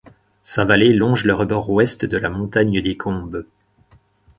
Sa vallée longe le rebord ouest de la montagne des Combes.